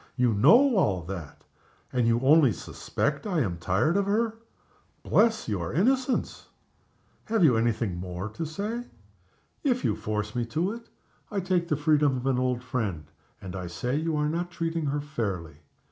You know all that and you only suspect I am tired of her. Bless your innocence! Have you any thing more to say?" "If you force me to it, I take the freedom of an old friend, and I say you are not treating her fairly.